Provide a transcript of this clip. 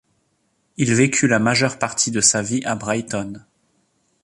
Il vécut la majeure partie de sa vie à Brighton.